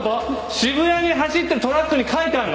渋谷に走ってるトラックに書いてあるの？